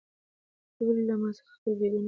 ته ولې له ما څخه خپل بېګناه مخ پټوې؟